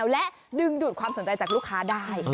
และดึงดูดความสนใจจากลูกค้าได้